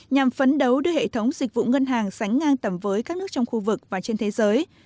nhằm phấn đấu đưa hệ thống dịch vụ ngân hàng sánh ngang tầm với các nước trong khu vực và trên thế giới